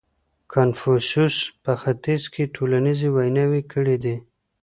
کنفوسوس په ختیځ کي ټولنیزې ویناوې کړې دي.